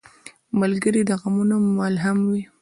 ملګری د غمونو ملهم وي.